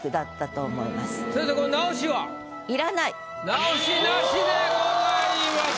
直しなしでございます。